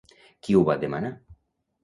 Qui ho va demanar?